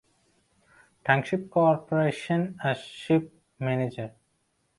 Tank Ship Corporation as ship manager.